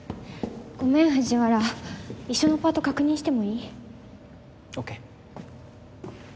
ごめん藤原一緒のパート確認してもいい？ＯＫ。